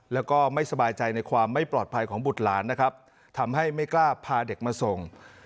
แล้วก็ไม่สบายใจในความไม่ปลอดภัยของบุตรหลานนะครับทำให้ไม่กล้าพาเด็กมาส่ง